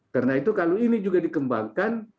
karena itu kalau ini juga dikembangkan